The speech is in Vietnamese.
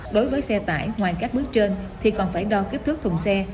đối với xe tải ngoài các bước trên thì còn phải đo kích thước thùng xe